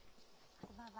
こんばんは。